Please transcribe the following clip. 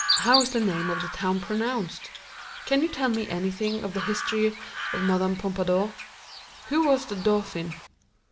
How is the name of the town pronounced? Can you tell me anything of the history of Mme. Pompadour? Who was the Dauphin?